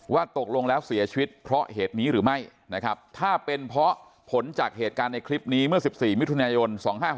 ว่าตกลงแล้วเสียชีวิตเพราะเหตุนี้หรือไม่นะครับถ้าเป็นเพราะผลจากเหตุการณ์ในคลิปนี้เมื่อ๑๔มิถุนายน๒๕๖๖